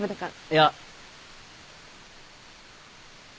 いや。